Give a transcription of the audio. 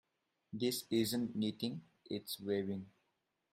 This isn't knitting, its weaving.